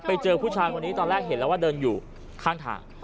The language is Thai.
ไปเจอผู้ชายคนนี้ตอนแรกเห็นแล้วว่าเดินอยู่ข้างทาง